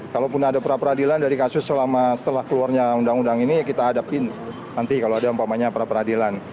kalaupun ada perapradilan dari kasus setelah keluarnya undang undang ini kita hadapin nanti kalau ada empamanya perapradilan